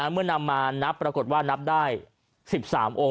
เมื่อนำมานับปรากฏว่านับได้๑๓องค์